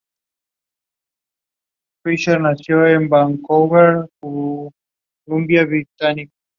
De vuelta en París, parece ser que recibió consejos de Liszt.